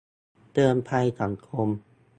เตือนภัยสังคม